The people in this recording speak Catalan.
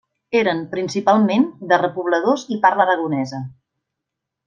Eren, principalment, de repobladors i parla aragonesa.